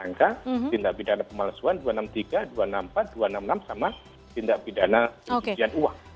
angka tindak pidana pemalsuan dua ratus enam puluh tiga dua ratus enam puluh empat dua ratus enam puluh enam sama tindak pidana pencucian uang